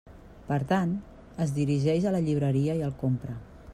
Per tant, es dirigeix a la llibreria i el compra.